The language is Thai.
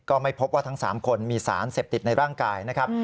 ก็ไม่พบว่าทั้ง๓คนมีสารเสพติดในร่างกายนะครับ